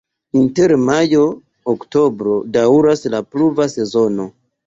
Inter majo-oktobro daŭras la pluva sezono.